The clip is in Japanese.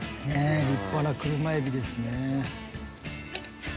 立派な車エビですね。